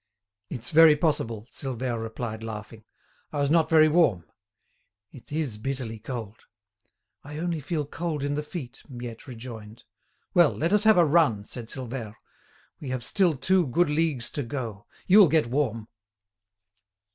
"It's very possible," Silvère replied laughing. "I was not very warm. It is bitterly cold." "I only feel cold in the feet," Miette rejoined. "Well! let us have a run," said Silvère. "We have still two good leagues to go. You will get warm."